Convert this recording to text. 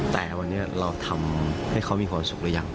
แต่วันนี้เราทำให้เขามีความสุขหรือยัง